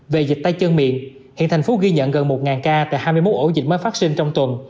về dịch tay chân miệng hiện thành phố ghi nhận gần một ca tại hai mươi một ổ dịch mới phát sinh trong tuần